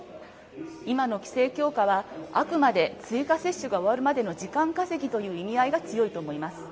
今の規制強化はあくまで追加接種が終わるまでの時間稼ぎという意味合いが強いと思います。